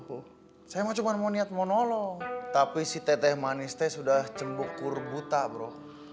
oh saya mau cuman mau niat mau nolong tapi si teh manis teh sudah cembokur buta bro